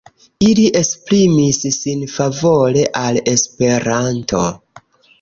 Ili esprimis sin favore al Esperanto.